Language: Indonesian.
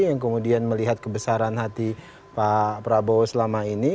yang kemudian melihat kebesaran hati pak prabowo selama ini